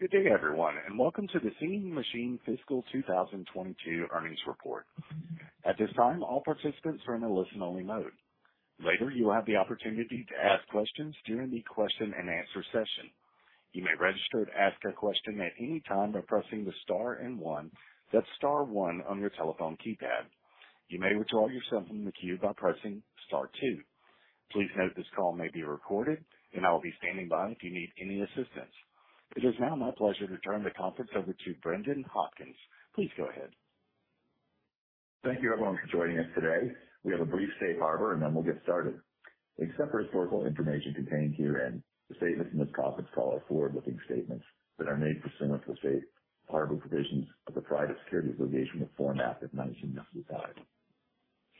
Good day, everyone, and welcome to The Singing Machine fiscal year 2022 earnings report. At this time, all participants are in a listen-only mode. Later, you will have the opportunity to ask questions during the question and answer session. You may register to ask a question at any time by pressing the star and one, that's star one on your telephone keypad. You may withdraw yourself from the queue by pressing star two. Please note this call may be recorded and I will be standing by if you need any assistance. It is now my pleasure to turn the conference over to Brendan Hopkins. Please go ahead. Thank you everyone for joining us today. We have a brief safe harbor and then we'll get started. Except for historical information contained herein, the statements in this conference call are forward-looking statements that are made pursuant to safe harbor provisions of the Private Securities Litigation Reform Act of 1995.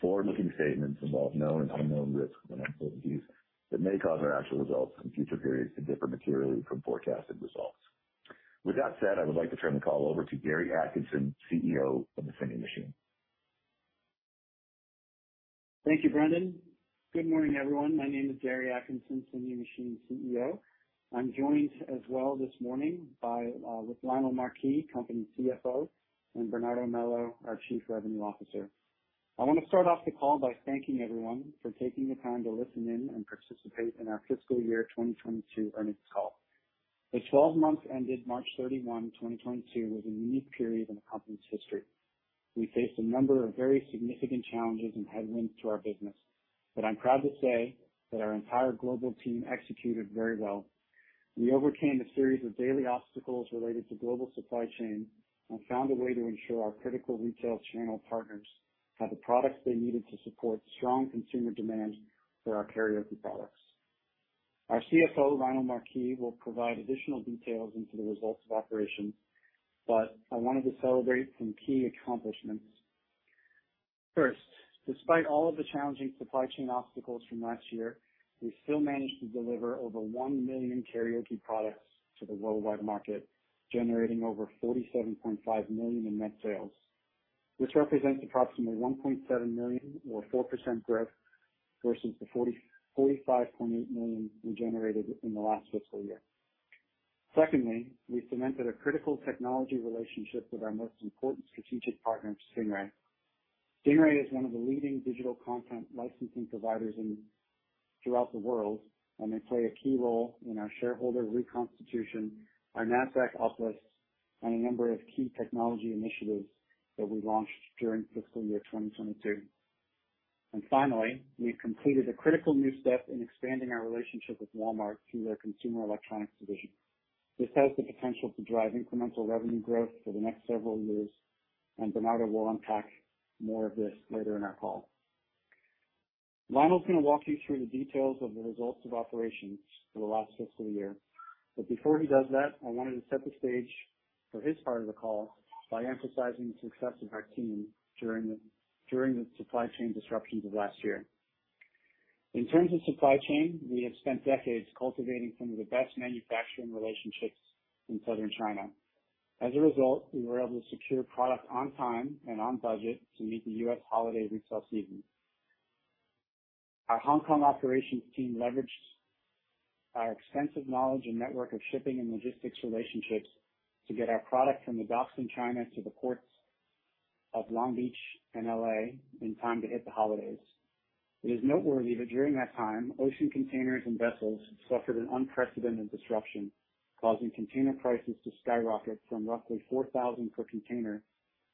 Forward-looking statements involve known and unknown risks and uncertainties that may cause our actual results in future periods to differ materially from forecasted results. With that said, I would like to turn the call over to Gary Atkinson, CEO of The Singing Machine. Thank you, Brendan. Good morning, everyone. My name is Gary Atkinson, Singing Machine CEO. I'm joined as well this morning by with Lionel Marquis, Company CFO, and Bernardo Melo, our Chief Revenue Officer. I wanna start off the call by thanking everyone for taking the time to listen in and participate in our fiscal year 2022 earnings call. The twelve months ended March 31, 2022 was a unique period in the company's history. We faced a number of very significant challenges and headwinds to our business, but I'm proud to say that our entire global team executed very well. We overcame a series of daily obstacles related to global supply chain and found a way to ensure our critical retail channel partners had the products they needed to support strong consumer demand for our karaoke products. Our CFO, Lionel Marquis, will provide additional details into the results of operations, but I wanted to celebrate some key accomplishments. First, despite all of the challenging supply chain obstacles from last year, we still managed to deliver over one million karaoke products to the worldwide market, generating over $47.5 million in net sales, which represents approximately $1.7 million or 4% growth versus the $45.8 million we generated in the last fiscal year. Secondly, we cemented a critical technology relationship with our most important strategic partner, Stingray. Stingray is one of the leading digital content licensing providers throughout the world, and they play a key role in our shareholder reconstitution, our Nasdaq uplist, and a number of key technology initiatives that we launched during fiscal year 2022. Finally, we've completed a critical new step in expanding our relationship with Walmart through their consumer electronics division. This has the potential to drive incremental revenue growth for the next several years, and Bernardo will unpack more of this later in our call. Lionel's gonna walk you through the details of the results of operations for the last fiscal year, but before he does that, I wanted to set the stage for his part of the call by emphasizing the success of our team during the supply chain disruptions of last year. In terms of supply chain, we have spent decades cultivating some of the best manufacturing relationships in southern China. As a result, we were able to secure product on time and on budget to meet the U.S. holiday retail season. Our Hong Kong operations team leveraged our extensive knowledge and network of shipping and logistics relationships to get our product from the docks in China to the ports of Long Beach and L.A. in time to hit the holidays. It is noteworthy that during that time, ocean containers and vessels suffered an unprecedented disruption, causing container prices to skyrocket from roughly 4,000 per container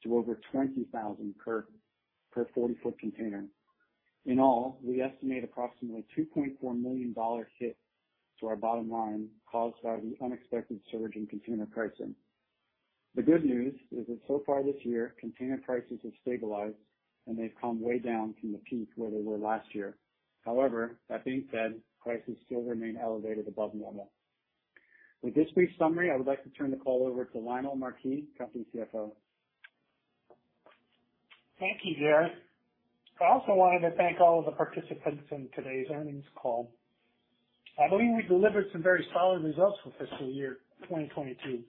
to over 20,000 per 40-ft container. In all, we estimate approximately $2.4 million hit to our bottom line caused by the unexpected surge in container pricing. The good news is that so far this year, container prices have stabilized, and they've come way down from the peak where they were last year. However, that being said, prices still remain elevated above normal. With this brief summary, I would like to turn the call over to Lionel Marquis, company CFO. Thank you, Gary. I also wanted to thank all of the participants in today's earnings call. I believe we delivered some very solid results for fiscal year 2022,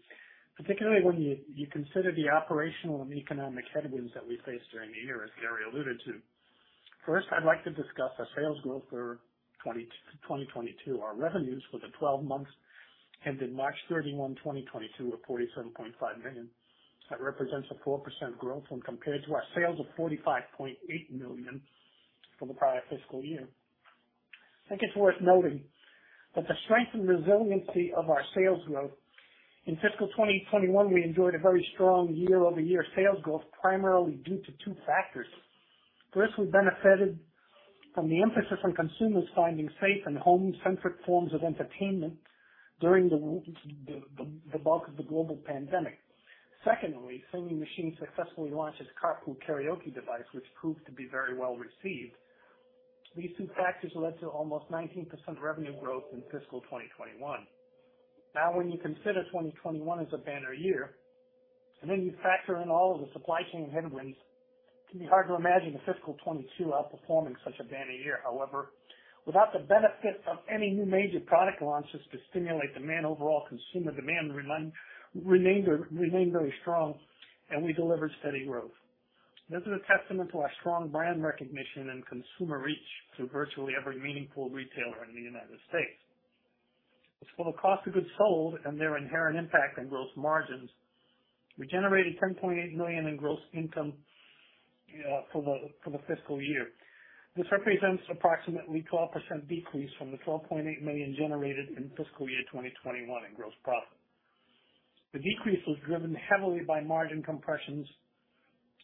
particularly when you consider the operational and economic headwinds that we faced during the year, as Gary alluded to. First, I'd like to discuss our sales growth for 2022. Our revenues for the twelve months ended March 31, 2022 were $47.5 million. That represents a 4% growth when compared to our sales of $45.8 million for the prior fiscal year. I think it's worth noting that the strength and resiliency of our sales growth in fiscal year 2021, we enjoyed a very strong year-over-year sales growth, primarily due to two factors. First, we benefited from the emphasis on consumers finding safe and home-centric forms of entertainment during the bulk of the global pandemic. Secondly, Singing Machine's successfully launched its Carpool Karaoke device, which proved to be very well received. These two factors led to almost 19% revenue growth in fiscal year 2021. Now, when you consider 2021 as a banner year, and then you factor in all of the supply chain headwinds, it can be hard to imagine the fiscal year 2022 outperforming such a banner year. However, without the benefit of any new major product launches to stimulate demand, overall consumer demand remained very strong and we delivered steady growth. This is a testament to our strong brand recognition and consumer reach to virtually every meaningful retailer in the United States. As for the cost of goods sold and their inherent impact on gross margins, we generated $10.8 million in gross income for the fiscal year. This represents approximately 12% decrease from the $12.8 million generated in fiscal year 2021 in gross profit. The decrease was driven heavily by margin compressions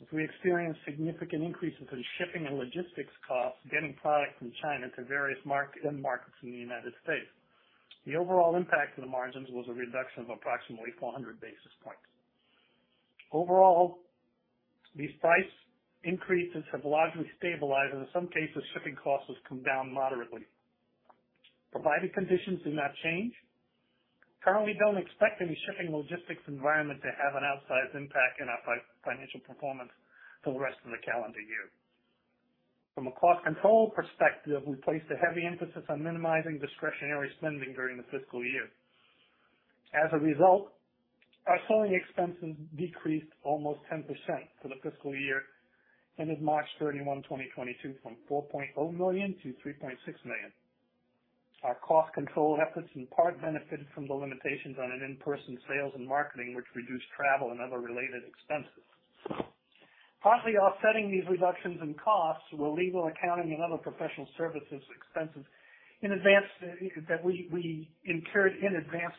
as we experienced significant increases in shipping and logistics costs getting product from China to various end markets in the United States. The overall impact to the margins was a reduction of approximately 400 basis points. Overall, these price increases have largely stabilized. In some cases, shipping costs have come down moderately. Provided conditions do not change, currently don't expect any shipping logistics environment to have an outsized impact in our financial performance for the rest of the calendar year. From a cost control perspective, we placed a heavy emphasis on minimizing discretionary spending during the fiscal year. As a result, our selling expenses decreased almost 10% for the fiscal year ended March 31, 2022, from $4.0 million to $3.6 million. Our cost control efforts in part benefited from the limitations on an in-person sales and marketing, which reduced travel and other related expenses. Partly offsetting these reductions in costs were legal, accounting, and other professional services expenses in advance that we incurred in advance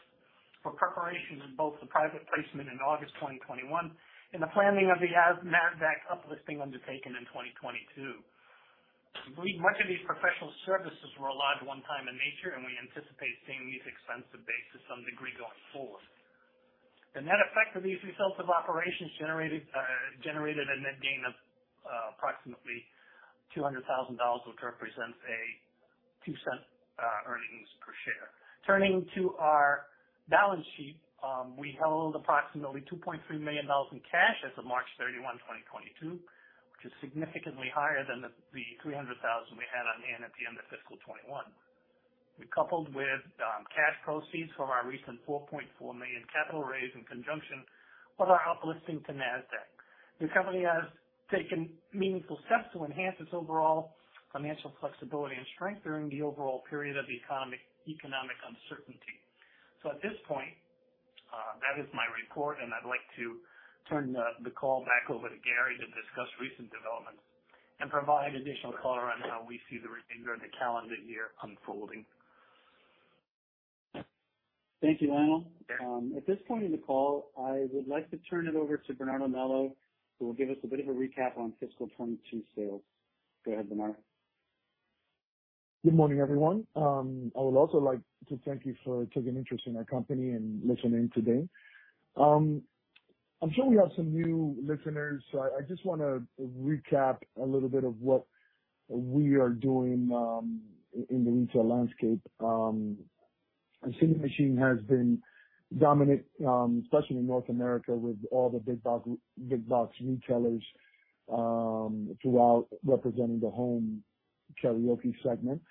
for preparation in both the private placement in August 2021 and the planning of the Nasdaq uplisting undertaken in 2022. Much of these professional services were largely one-time in nature, and we anticipate seeing these expenses subside to some degree going forward. The net effect of these results of operations generated a net gain of approximately $200,000, which represents a $0.02 earnings per share. Turning to our balance sheet, we held approximately $2.3 million in cash as of March 31, 2022, which is significantly higher than the $300,000 we had on hand at the end of fiscal year 2021. We coupled with cash proceeds from our recent $4.4 million capital raise in conjunction with our uplisting to Nasdaq. The company has taken meaningful steps to enhance its overall financial flexibility and strength during the overall period of economic uncertainty. At this point, that is my report, and I'd like to turn the call back over to Gary to discuss recent developments and provide additional color on how we see the remainder of the calendar year unfolding. Thank you, Lionel. At this point in the call, I would like to turn it over to Bernardo Melo, who will give us a bit of a recap on fiscal year 2022 sales. Go ahead, Bernardo. Good morning, everyone. I would also like to thank you for taking interest in our company and listening today. I'm sure we have some new listeners. I just wanna recap a little bit of what we are doing in the retail landscape. Singing Machine has been dominant, especially in North America with all the big box retailers throughout representing the home karaoke segment,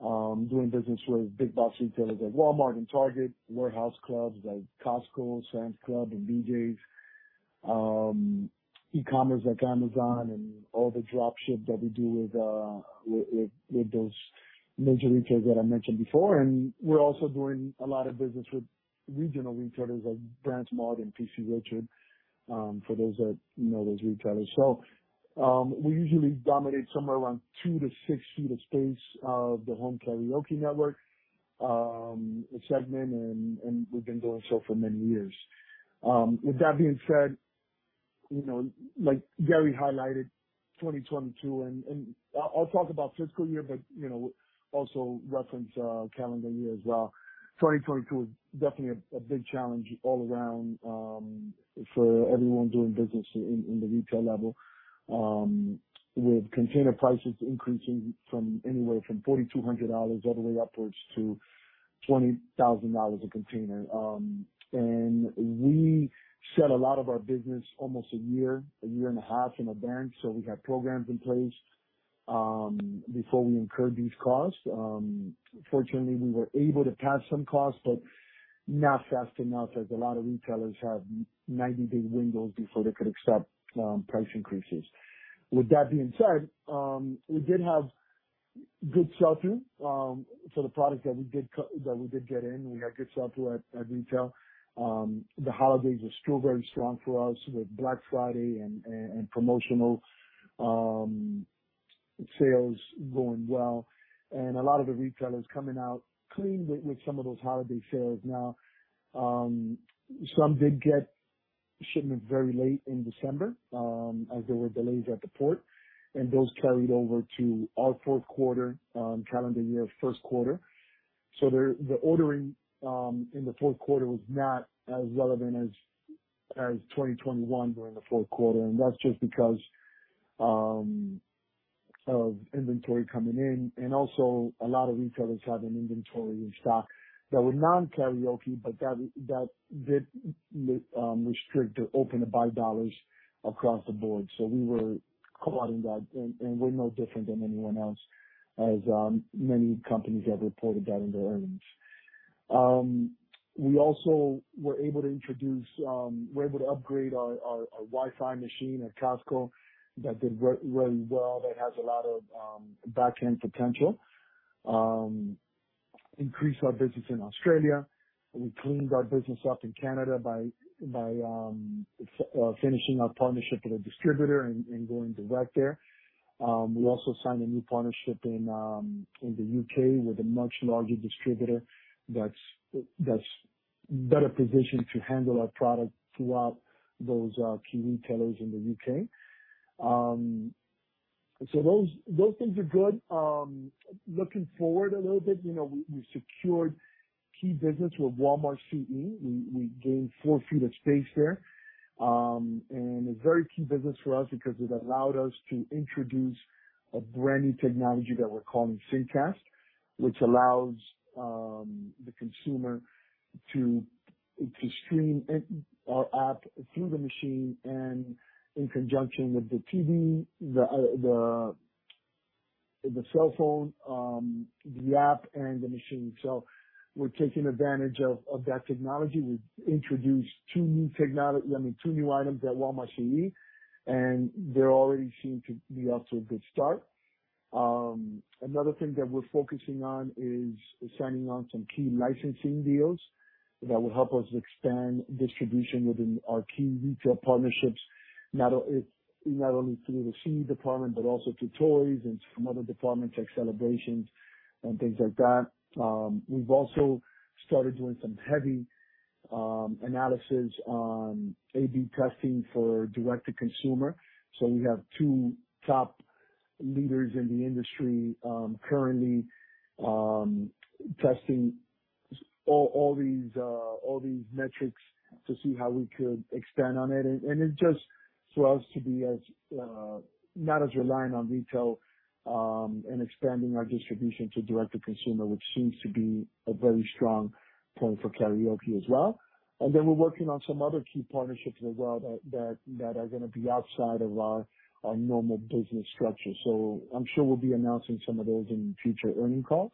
doing business with big box retailers like Walmart and Target, warehouse clubs like Costco, Sam's Club, and BJ's, e-commerce like Amazon and all the dropship that we do with those major retailers that I mentioned before. We're also doing a lot of business with regional retailers like BrandsMart and P.C. Richard, for those that know those retailers. We usually dominate somewhere around 2-6 ft of space of the home karaoke network segment and we've been doing so for many years. With that being said, you know, like Gary highlighted, 2022 and I'll talk about fiscal year but you know also reference calendar year as well. 2022 was definitely a big challenge all around for everyone doing business in the retail level. With container prices increasing from anywhere from $4,200 all the way upwards to $20,000 a container. We set a lot of our business almost a year, a year and a half in advance, so we had programs in place before we incurred these costs. Fortunately, we were able to pass some costs, but not fast enough as a lot of retailers have 90-day windows before they could accept price increases. With that being said, we did have good sell-through for the products that we did get in. We had good sell-through at retail. The holidays are still very strong for us with Black Friday and promotional sales going well. A lot of the retailers coming out clean with some of those holiday sales now. Some did get shipments very late in December as there were delays at the port, and those carried over to our fourth quarter calendar year first quarter. The ordering in the fourth quarter was not as relevant as 2021 during the fourth quarter. That's just because of inventory coming in. Also a lot of retailers have an inventory of stock that were non-karaoke, but that did restrict or open the buy dollars across the board. We were caught in that and we're no different than anyone else, as many companies have reported that in their earnings. We also were able to introduce, we're able to upgrade our Wi-Fi machine at Costco that did really well, that has a lot of back-end potential. Increased our business in Australia. We cleaned our business up in Canada by finishing our partnership with a distributor and going direct there. We also signed a new partnership in the U.K. with a much larger distributor that's better positioned to handle our product throughout those key retailers in the U.K. Those things are good. Looking forward a little bit, you know, we secured key business with Walmart CE. We gained 4 ft of space there. A very key business for us because it allowed us to introduce a brand-new technology that we're calling Singcast, which allows the consumer to stream in our app through the machine and in conjunction with the TV, the cell phone, the app and the machine. We're taking advantage of that technology. We've introduced, I mean, two new items at Walmart CE, and they already seem to be off to a good start. Another thing that we're focusing on is signing on some key licensing deals that will help us expand distribution within our key retail partnerships, not only through the CE department, but also to toys and some other departments, like celebrations and things like that. We've also started doing some heavy analysis on A/B testing for direct-to-consumer. We have two top leaders in the industry currently testing all these metrics to see how we could expand on it. It just allows us to be not as reliant on retail and expanding our distribution to direct-to-consumer, which seems to be a very strong point for karaoke as well. We're working on some other key partnerships as well that are gonna be outside of our normal business structure. I'm sure we'll be announcing some of those in future earnings calls.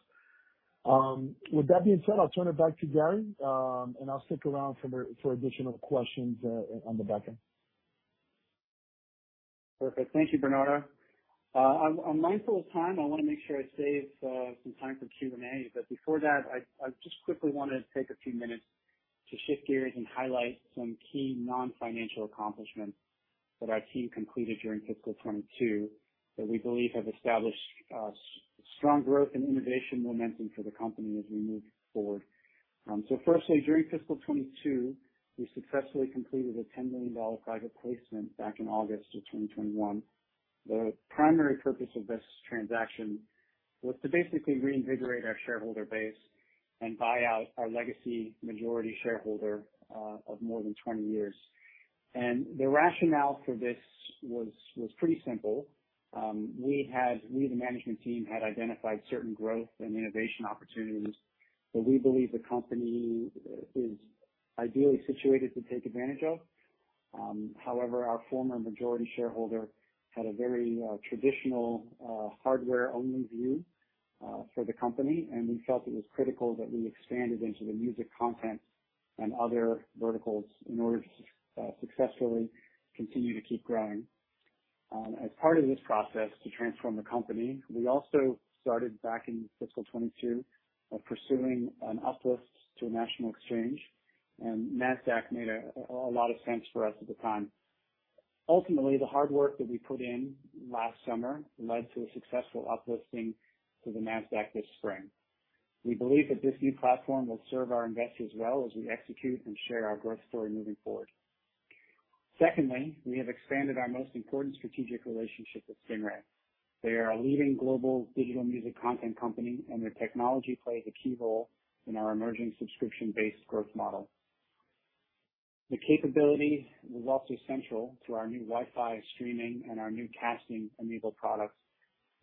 With that being said, I'll turn it back to Gary, and I'll stick around for additional questions on the back end. Perfect. Thank you, Bernardo. I'm mindful of time. I wanna make sure I save some time for Q&A. Before that, I just quickly wanna take a few minutes to shift gears and highlight some key non-financial accomplishments that our team completed during fiscal year 2022 that we believe have established strong growth and innovation momentum for the company as we move forward. Firstly, during fiscal year 2022, we successfully completed a $10 million private placement back in August of 2021. The primary purpose of this transaction was to basically reinvigorate our shareholder base and buy out our legacy majority shareholder of more than 20 years. The rationale for this was pretty simple. The management team had identified certain growth and innovation opportunities that we believe the company is ideally situated to take advantage of. However, our former majority shareholder had a very traditional hardware-only view for the company, and we felt it was critical that we expanded into the music content and other verticals in order to successfully continue to keep growing. As part of this process to transform the company, we also started back in fiscal year 2022 pursuing an uplist to a national exchange, and Nasdaq made a lot of sense for us at the time. Ultimately, the hard work that we put in last summer led to a successful uplisting to the Nasdaq this spring. We believe that this new platform will serve our investors well as we execute and share our growth story moving forward. Secondly, we have expanded our most important strategic relationship with Stingray. They are a leading global digital music content company, and their technology plays a key role in our emerging subscription-based growth model. The capability was also central to our new Wi-Fi streaming and our new casting-enabled products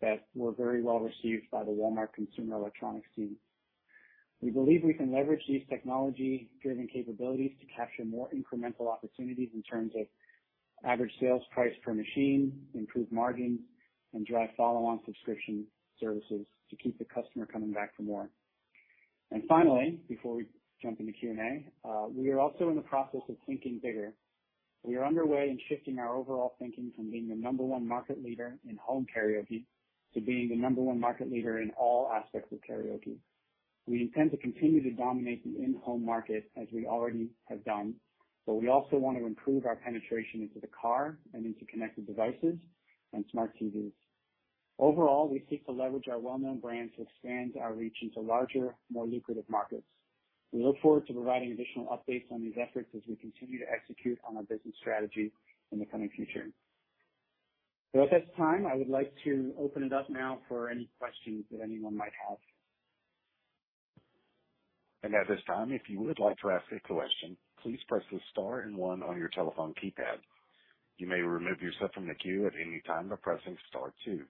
that were very well received by the Walmart consumer electronics team. We believe we can leverage these technology-driven capabilities to capture more incremental opportunities in terms of average sales price per machine, improve margins, and drive follow-on subscription services to keep the customer coming back for more. Finally, before we jump into Q&A, we are also in the process of thinking bigger. We are underway in shifting our overall thinking from being the number one market leader in home karaoke to being the number one market leader in all aspects of karaoke. We intend to continue to dominate the in-home market as we already have done, but we also want to improve our penetration into the car and into connected devices and smart TVs. Overall, we seek to leverage our well-known brand to expand our reach into larger, more lucrative markets. We look forward to providing additional updates on these efforts as we continue to execute on our business strategy in the coming future. At this time, I would like to open it up now for any questions that anyone might have. At this time, if you would like to ask a question, please press the star and one on your telephone keypad. You may remove yourself from the queue at any time by pressing star two.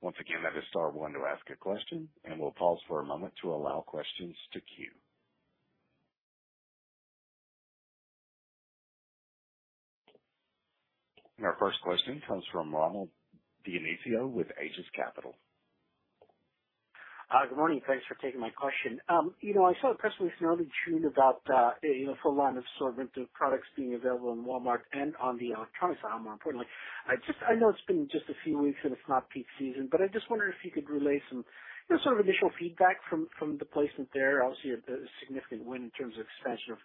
Once again, that is star one to ask a question, and we'll pause for a moment to allow questions to queue. Our first question comes from Rommel Dionisio with Aegis Capital. Good morning. Thanks for taking my question. You know, I saw a press release in early June about, you know, full line assortment of products being available in Walmart and on the electronics aisle, more importantly. I know it's been just a few weeks and it's not peak season, but I just wondered if you could relay some, you know, sort of initial feedback from the placement there. Obviously, a significant win in terms of expansion of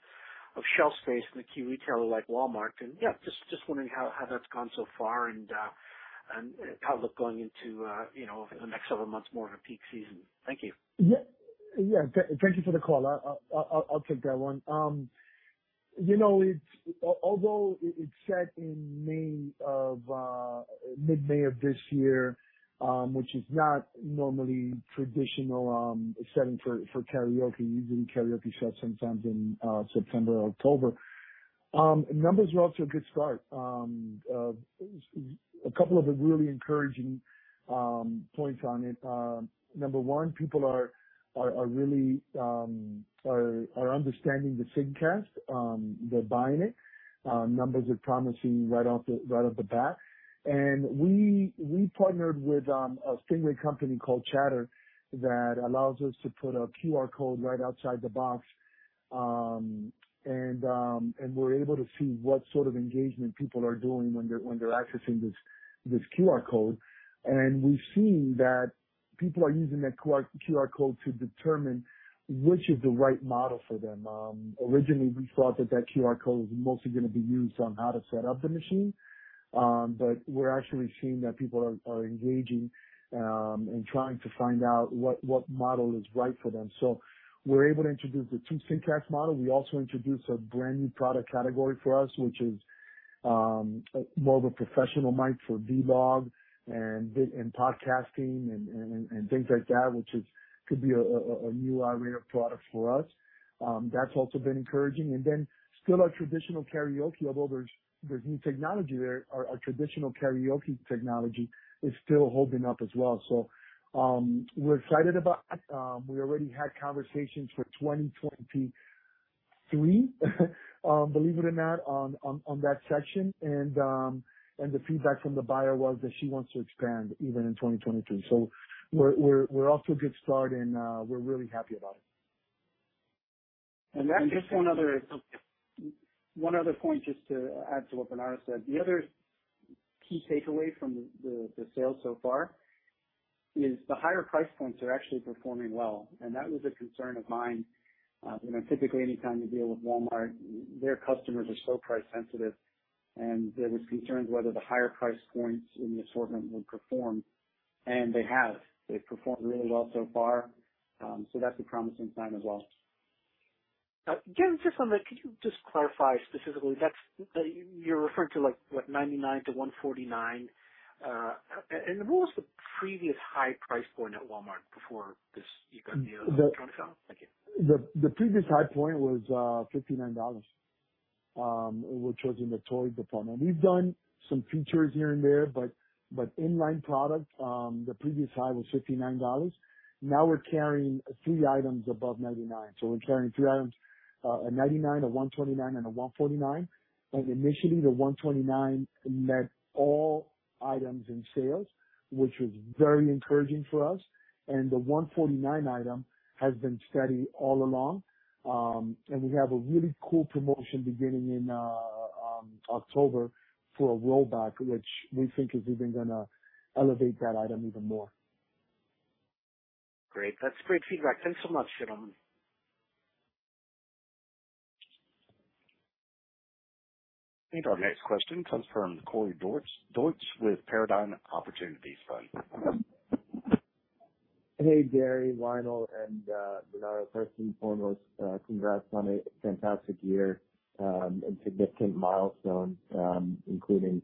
shelf space in a key retailer like Walmart. Yeah, just wondering how that's gone so far and how it looked going into, you know, the next several months, more in a peak season. Thank you. Yeah. Yeah. Thank you for the call. I'll take that one. You know, it's although it's set in mid-May of this year, which is not normally traditional setting for karaoke. Usually karaoke sets sometimes in September or October. Numbers are off to a good start. A couple of the really encouraging points on it. Number one, people are really understanding the Singcast. They're buying it. Numbers are promising right off the bat. We partnered with a Stingray company called Chatter that allows us to put a QR code right outside the box, and we're able to see what sort of engagement people are doing when they're accessing this QR code. We've seen that people are using that QR code to determine which is the right model for them. Originally we thought that QR code was mostly gonna be used on how to set up the machine, but we're actually seeing that people are engaging and trying to find out what model is right for them. We're able to introduce the two Singcast model. We also introduce a brand new product category for us, which is more of a professional mic for vlog and podcasting and things like that, which could be a new array of products for us. That's also been encouraging. Still our traditional karaoke. Although there's new technology there, our traditional karaoke technology is still holding up as well. We're excited about we already had conversations for 2023, believe it or not, on that section. The feedback from the buyer was that she wants to expand even in 2022. We're off to a good start and we're really happy about it. Just one other point, just to add to what Bernardo said. The other key takeaway from the sales so far is the higher price points are actually performing well, and that was a concern of mine. You know, typically anytime you deal with Walmart, their customers are so price sensitive, and there was concerns whether the higher price points in the assortment would perform, and they have. They've performed really well so far. So that's a promising sign as well. Gary, just on that, could you just clarify specifically? You're referring to like what, $99-$149? And what was the previous high price point at Walmart before this, you got the electronics out? Thank you. The previous high point was $59, which was in the toy department. We've done some features here and there, but in line product, the previous high was $59. Now we're carrying three items above $99. We're carrying three items, a $99, a $129, and a $149. Initially, the $129 beat all items in sales, which was very encouraging for us. The $149 item has been steady all along. We have a really cool promotion beginning in October for a rollback, which we think is even gonna elevate that item even more. Great. That's great feedback. Thanks so much, gentlemen. I think our next question comes from Corey Dortch with Paradigm Opportunities Fund. Hey, Gary, Lionel, and Bernardo. First and foremost, congrats on a fantastic year and significant milestones, including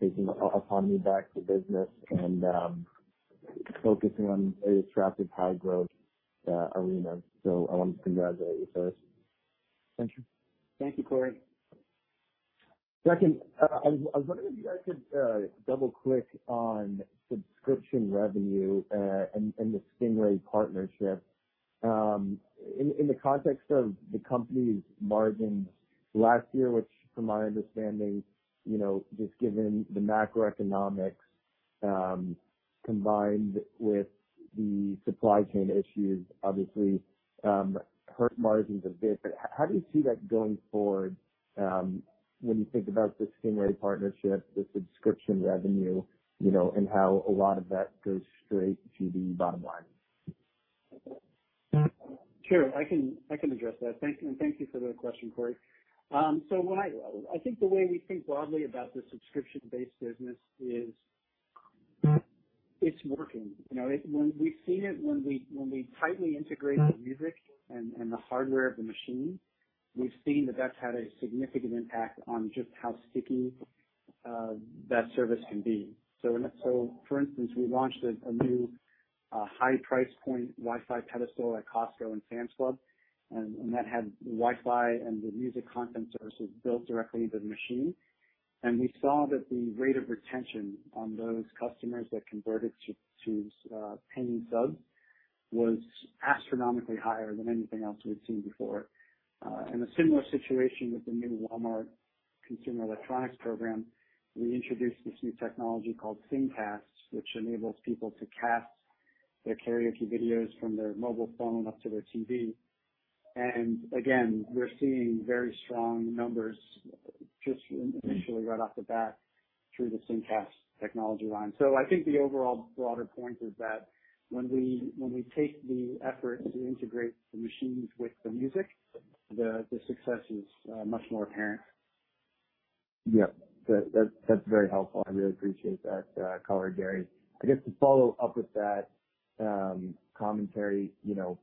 taking the company back to business and focusing on an attractive high growth arena. I want to congratulate you first. Thank you. Thank you, Cory. Second, I was wondering if you guys could double click on subscription revenue and the Stingray partnership. In the context of the company's margins last year, which from my understanding, you know, just given the macroeconomics, combined with the supply chain issues obviously, hurt margins a bit. How do you see that going forward, when you think about the Stingray partnership, the subscription revenue, you know, and how a lot of that goes straight to the bottom line? Sure. I can address that. Thank you, and thank you for the question, Cory. I think the way we think broadly about the subscription-based business is it's working. You know, we've seen it when we tightly integrate the music and the hardware of the machine. We've seen that that's had a significant impact on just how sticky that service can be. For instance, we launched a new high price point Wi-Fi pedestal at Costco and Sam's Club, and that had Wi-Fi and the music content services built directly into the machine. We saw that the rate of retention on those customers that converted to paying subs was astronomically higher than anything else we've seen before. In a similar situation with the new Walmart consumer electronics program, we introduced this new technology called Singcast, which enables people to cast their karaoke videos from their mobile phone up to their TV. Again, we're seeing very strong numbers just initially right off the bat through the Singcast technology line. I think the overall broader point is that when we take the effort to integrate the machines with the music, the success is much more apparent. Yeah. That's very helpful. I really appreciate that color, Gary. I guess to follow up with that commentary, you know,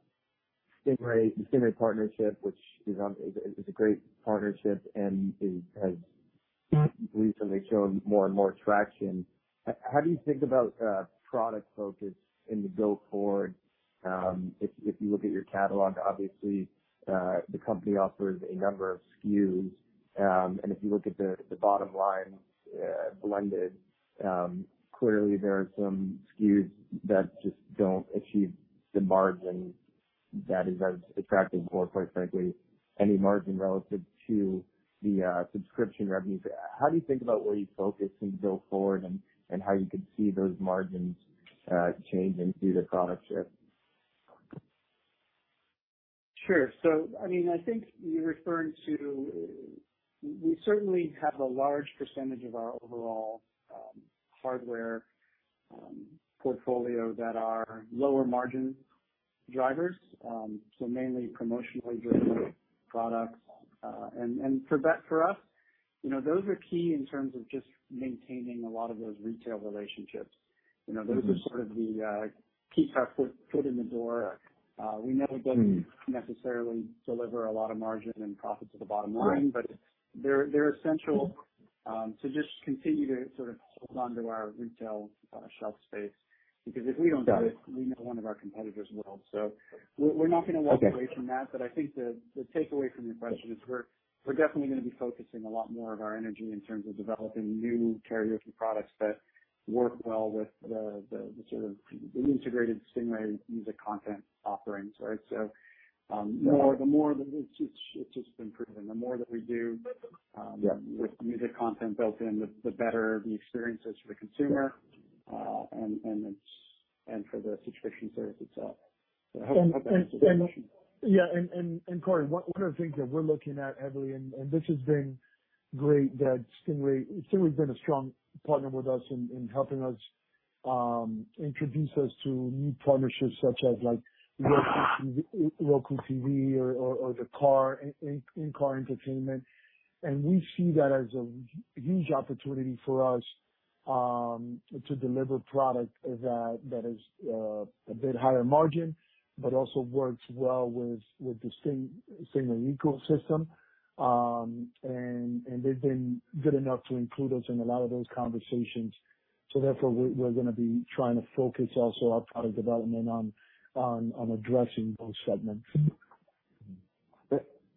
Stingray, the Stingray partnership, which is a great partnership and has recently shown more and more traction. How do you think about product focus going forward? If you look at your catalog, obviously, the company offers a number of SKUs. If you look at the bottom lines, blended, clearly there are some SKUs that just don't achieve the margin that is as attractive or quite frankly, any margin relative to the subscription revenues. How do you think about where you focus going forward and how you could see those margins changing through the product shift? Sure. I mean, I think you're referring to. We certainly have a large percentage of our overall hardware portfolio that are lower margin drivers, so mainly promotionally driven products. For us, you know, those are key in terms of just maintaining a lot of those retail relationships. Mm-hmm. Those are sort of the key test, foot in the door. We know they- Mm-hmm. Necessarily deliver a lot of margin and profit to the bottom line. Right. They're essential to just continue to sort of hold on to our retail shelf space, because if we don't do it. Got it. We know one of our competitors will. We're not gonna walk away from that. I think the takeaway from your question is we're definitely gonna be focusing a lot more of our energy in terms of developing new karaoke products that work well with the sort of the integrated Stingray music content offerings, right? Yeah. The more. It's just improving. The more that we do. Yeah. With music content built in, the better the experience is for the consumer, and for the subscription service itself. I hope that answers your question. Yeah. Cory, one of the things that we're looking at heavily, and this has been great that Stingray's been a strong partner with us in helping us introduce us to new partnerships such as, like, Roku TV or the car, in-car entertainment. We see that as a huge opportunity for us to deliver product that is a bit higher margin but also works well with the Stingray ecosystem. They've been good enough to include us in a lot of those conversations. Therefore we're gonna be trying to focus also our product development on addressing those segments.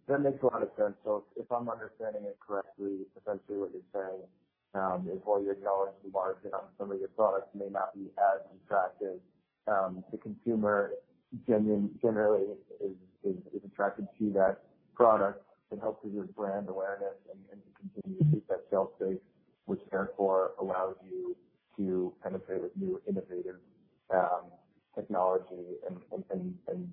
That makes a lot of sense. If I'm understanding it correctly, essentially what you're saying is while your gross margin on some of your products may not be as attractive, the consumer generally is attracted to that product. It helps with your brand awareness and to continue to keep that shelf space, which therefore allows you to penetrate with new innovative technology and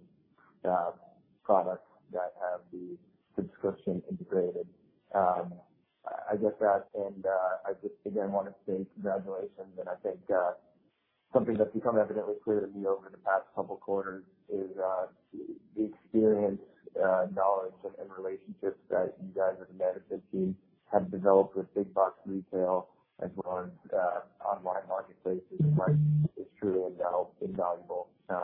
products that have the subscription integrated. I get that and I just again wanna say congratulations. I think something that's become evidently clear to me over the past couple quarters is the experience, knowledge and relationships that you guys as a management team have developed with big box retail as well as online marketplaces. Mm-hmm. Is truly invaluable, and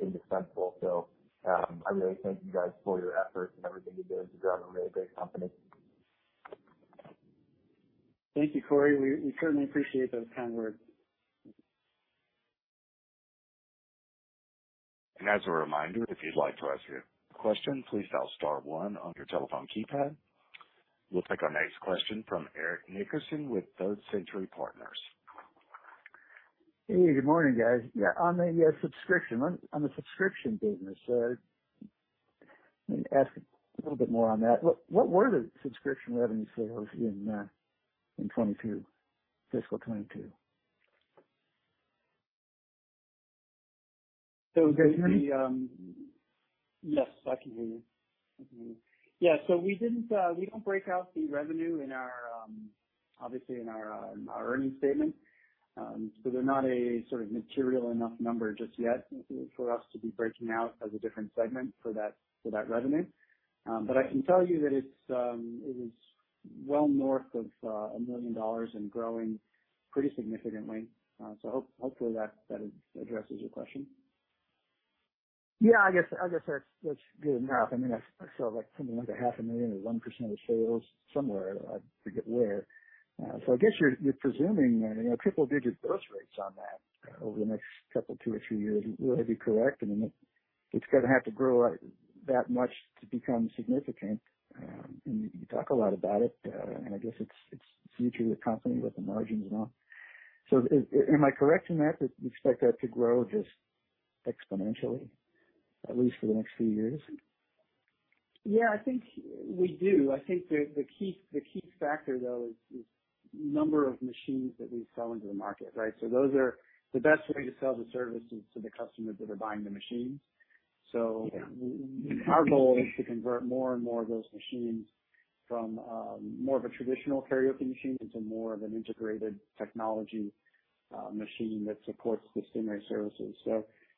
indispensable. I really thank you guys for your efforts and everything you did to grow a really big company. Thank you, Cory. We certainly appreciate those kind words. As a reminder, if you'd like to ask your question, please dial star one on your telephone keypad. We'll take our next question from Eric Nickerson with Third Century Partners. Hey, good morning, guys. Yeah, on the subscription. On the subscription business, let me ask a little bit more on that. What were the subscription revenues for those in 2022, fiscal year 2022? So the, um- Can you hear me? Yes, I can hear you. Yeah. We don't break out the revenue in our, obviously, in our earnings statement. They're not a sort of material enough number just yet for us to be breaking out as a different segment for that revenue. But I can tell you that it is well north of $1 million and growing pretty significantly. Hopefully that addresses your question. Yeah, I guess that's good enough. I mean, I saw, like, something like $500,000 or 1% of sales somewhere. I forget where. So I guess you're presuming, you know, triple digit growth rates on that over the next couple two or three years. Would I be correct in that? It's gonna have to grow that much to become significant. And you talk a lot about it, and I guess it's the future of the company with the margins and all. Am I correct in that you expect that to grow just exponentially, at least for the next few years? Yeah, I think we do. I think the key factor, though, is number of machines that we sell into the market, right? The best way to sell the service is to the customers that are buying the machines. Yeah. Our goal is to convert more and more of those machines from more of a traditional karaoke machine into more of an integrated technology machine that supports the Stingray services.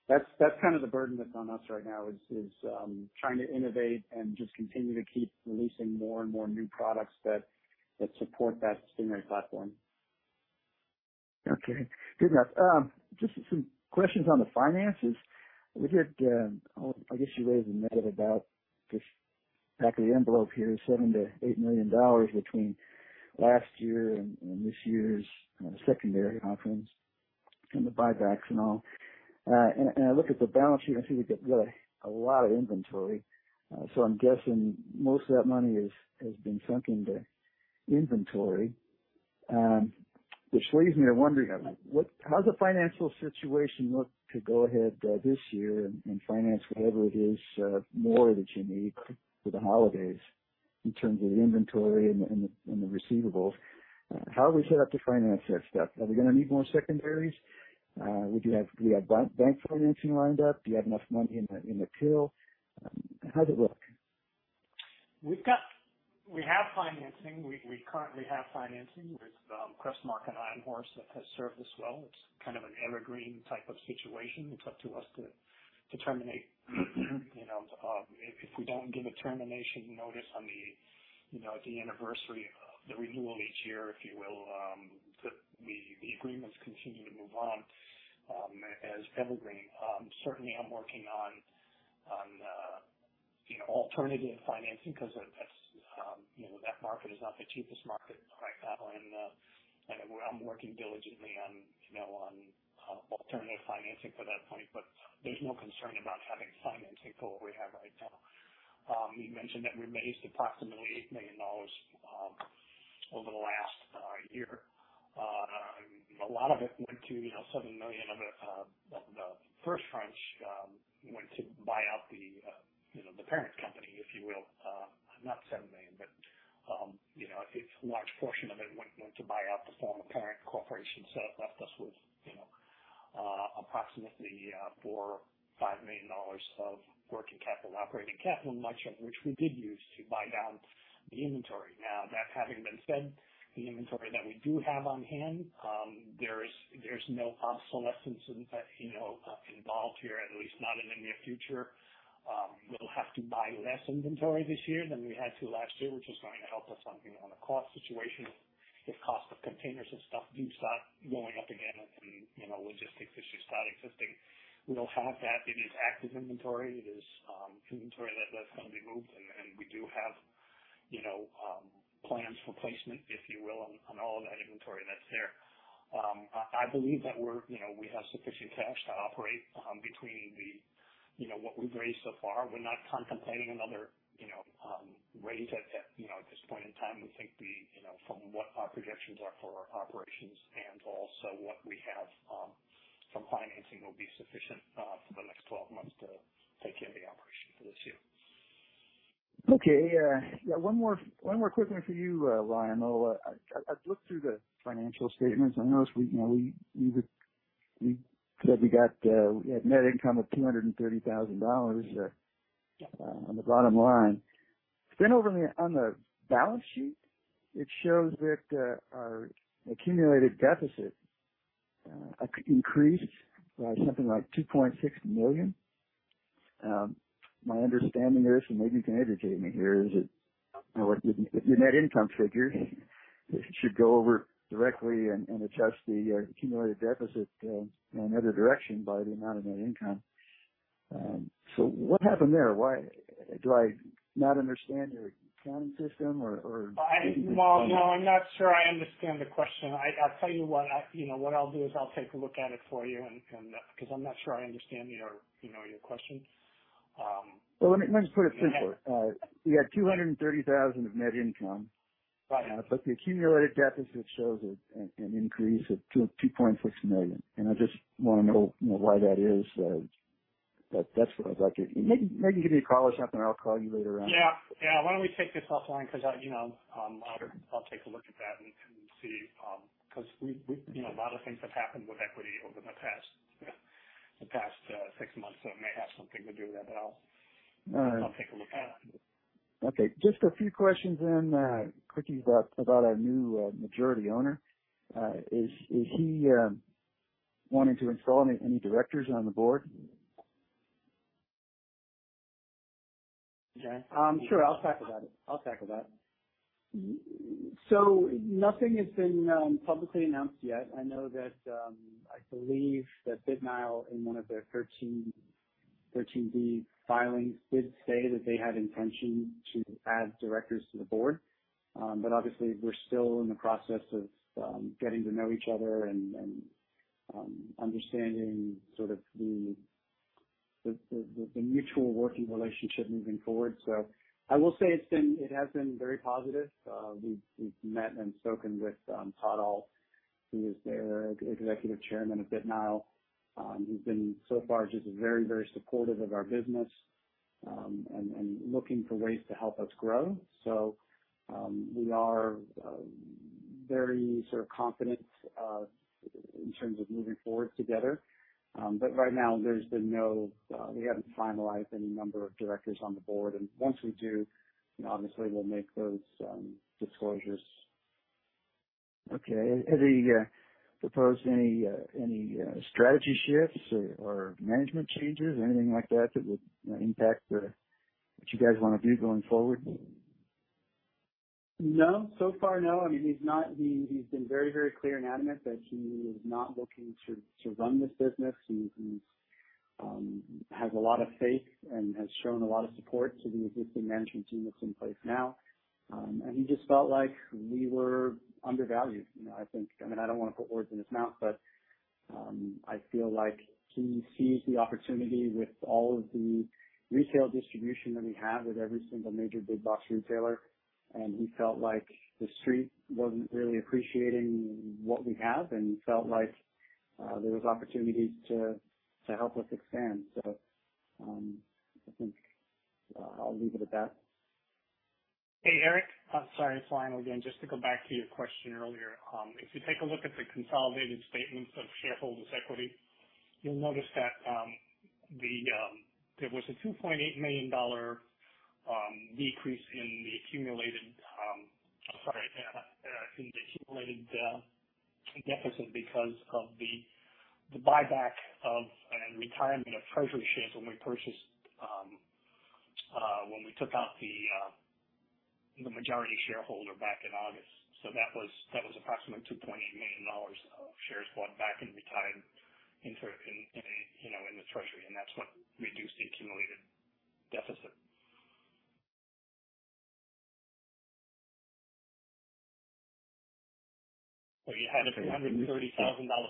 That's kind of the burden that's on us right now is trying to innovate and just continue to keep releasing more and more new products that support that Stingray platform. Okay, good enough. Just some questions on the finances. We had, I guess you raised a note about just back of the envelope here, $7 million-$8 million between last year and this year's secondary offerings and the buybacks and all. I look at the balance sheet, I see we've got really a lot of inventory. I'm guessing most of that money has been sunk into inventory. Which leaves me wondering, like, how does the financial situation look to go ahead this year and finance whatever it is more that you need for the holidays in terms of the inventory and the receivables? How are we set up to finance that stuff? Are we gonna need more secondaries? Do you have bank financing lined up? Do you have enough money in the till? How does it look? We have financing. We currently have financing with Crestmark and Ironhorse Funding that has served us well. It's kind of an evergreen type of situation. It's up to us to terminate, you know, if we don't give a termination notice on the, you know, at the anniversary, the renewal each year, if you will, the agreements continue to move on, as evergreen. Certainly I'm working on, you know, alternative financing because that's, you know, that market is not the cheapest market right now. I'm working diligently on, you know, alternative financing for that point. But there's no concern about having financing for what we have right now. You mentioned that we raised approximately $8 million over the last year. A lot of it went to, you know, $7 million of it, of the first tranche, went to buy out the, you know, the parent company, if you will. Not seven million, but, you know, it's a large portion of it went to buy out the former parent corporation. It left us with, you know, approximately $4 million-$5 million of working capital, operating capital, much of which we did use to buy down the inventory. Now that having been said, the inventory that we do have on hand, there's no obsolescence involved here, you know, at least not in the near future. We'll have to buy less inventory this year than we had to last year, which is going to help us on, you know, the cost situation. If cost of containers and stuff do start going up again and, you know, logistics issues start existing, we'll have that. It is active inventory. It is inventory that's gonna be moved. We do have, you know, plans for placement, if you will, on all of that inventory that's there. I believe that we're, you know, we have sufficient cash to operate between the, you know, what we've raised so far. We're not contemplating another, you know, raise at, you know, at this point in time. We think we, you know, from what our projections are for our operations and also what we have from financing will be sufficient for the next 12 months to take care of the operation for this year. Okay. Yeah, one more quick one for you, Lionel. I looked through the financial statements. I noticed, you know, we said we had net income of $230,000 on the bottom line. Then over on the balance sheet, it shows that our accumulated deficit increased by something like $2.6 million. My understanding there is, and maybe you can educate me here, that your net income figures should go over directly and adjust the accumulated deficit in the other direction by the amount of net income. So what happened there? Why? Do I not understand your accounting system or Well, no, I'm not sure I understand the question. I'll tell you what I'll do is I'll take a look at it for you and because I'm not sure I understand your, you know, your question. Well, let me just put it simply. You had $230,000 of net income. Right. The accumulated deficit shows an increase of $2.6 million. I just wanna know, you know, why that is. That's what I'd like you. Maybe give me a call or something, or I'll call you later on. Yeah. Why don't we take this offline? Because I, you know, Sure. I'll take a look at that and see. Because we've, you know, a lot of things have happened with equity over the past six months, so it may have something to do with that, but I'll- All right. I'll take a look at it. Okay. Just a few questions then quickly about our new majority owner. Is he wanting to install any directors on the board? Sure. I'll tackle that. Nothing has been publicly announced yet. I know that I believe that BitNile, in one of their Schedule 13D filings, did say that they had intention to add directors to the board. Obviously we're still in the process of getting to know each other and understanding sort of the mutual working relationship moving forward. I will say it has been very positive. We've met and spoken with Todd Ault, who is their Executive Chairman of BitNile. Who's been so far just very supportive of our business and looking for ways to help us grow. We are very sort of confident in terms of moving forward together. Right now there's been no, we haven't finalized any number of directors on the board. Once we do, you know, obviously we'll make those disclosures. Okay. Has he proposed any strategy shifts or management changes or anything like that that would impact what you guys wanna do going forward? No. So far, no. I mean, he has been very clear and adamant that he is not looking to run this business. He has a lot of faith and has shown a lot of support to the existing management team that's in place now. He just felt like we were undervalued. You know, I think. I mean, I don't wanna put words in his mouth, but I feel like he sees the opportunity with all of the retail distribution that we have with every single major big box retailer, and he felt like the street wasn't really appreciating what we have and felt like there was opportunities to help us expand. I think I'll leave it at that. Hey, Eric. Sorry, it's Lionel again. Just to go back to your question earlier. If you take a look at the consolidated statements of shareholders' equity, you'll notice that there was a $2.8 million decrease in the accumulated deficit because of the buyback of and retirement of treasury shares when we took out the majority shareholder back in August. That was approximately $2.8 million of shares bought back and retired into the treasury, you know. That's what reduced the accumulated deficit. Well, you had a $330,000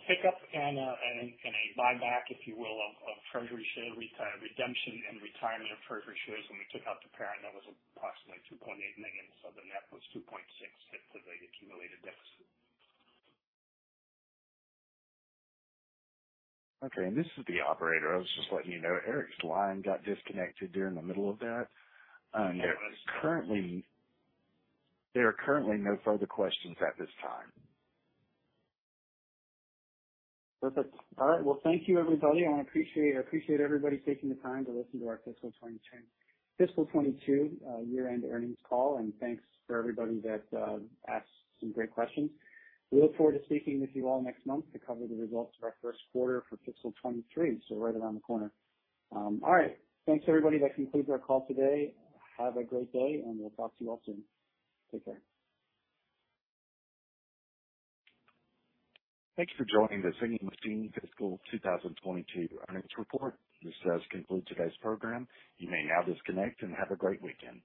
pickup and a buyback, if you will, of treasury share redemption and retirement of treasury shares when we took out the parent, that was approximately $2.8 million. The net was $2.6 million to the accumulated deficit. Okay. This is the operator. I was just letting you know Eric's line got disconnected during the middle of that. There are currently no further questions at this time. Perfect. All right. Well, thank you everybody, and I appreciate everybody taking the time to listen to our fiscal year 2022 year-end earnings call, and thanks for everybody that asked some great questions. We look forward to speaking with you all next month to cover the results of our first quarter for fiscal year 2023, so right around the corner. All right. Thanks everybody. That concludes our call today. Have a great day, and we'll talk to you all soon. Take care. Thank you for joining The Singing Machine fiscal year 2022 earnings report. This does conclude today's program. You may now disconnect and have a great weekend.